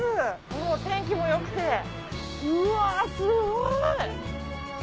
もう天気も良くてうわすごい！